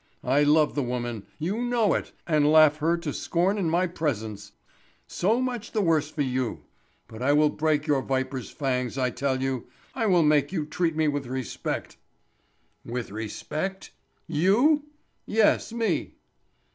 I love the woman; you know it, and laugh her to scorn in my presence—so much the worse for you. But I will break your viper's fangs, I tell you. I will make you treat me with respect." "With respect—you?" "Yes—me."